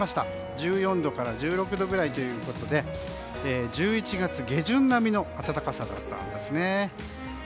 １４度から１６度くらいということで１１月下旬並みの暖かさだったんですね。